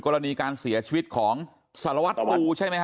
กรณีการเสียชีวิตของสารวัตรปูใช่ไหมฮ